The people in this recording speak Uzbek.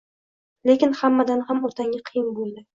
Lekin hammadan ham otangga qiyin bo`ldi